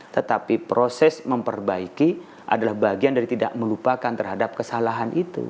tetapi proses memperbaiki adalah bagian dari tidak melupakan terhadap kesalahan itu